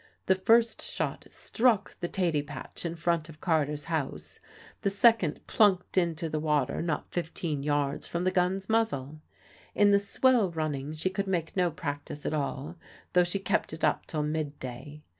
The first shot struck the 'taty patch in front of Carter's house; the second plunked into the water not fifteen yards from the gun's muzzle. In the swell running she could make no practice at all, though she kept it up till midday.